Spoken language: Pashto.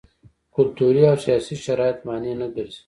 کلتوري او سیاسي شرایط مانع نه ګرځي.